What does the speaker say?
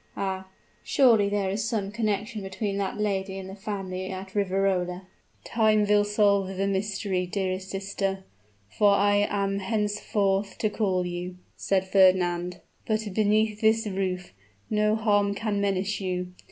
Ah! surely there is some connection between that lady and the family at Riverola?" "Time will solve the mystery, dearest sister, for so I am henceforth to call you," said Fernand. "But beneath this roof, no harm can menace you.